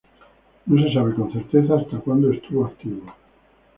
No se sabe con certeza hasta cuándo estuvo activo.